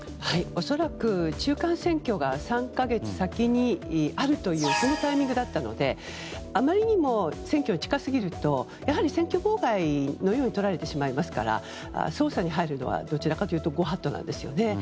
恐らく、中間選挙が３か月先にあるというそのタイミングだったのであまりにも選挙が近すぎるとやはり選挙妨害のようにとられてしまいますから捜査に入るのはどちらかというと御法度なんですよね。